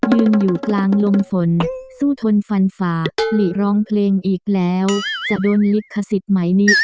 ยืนอยู่กลางลมฝนสู้ทนฟันฝ่าหลีร้องเพลงอีกแล้วจะโดนลิขสิทธิ์ไหมนี้